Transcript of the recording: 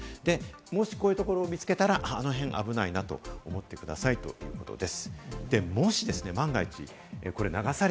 もしこういうところを見つけたらあの辺は危ないなと思ってくださいということです。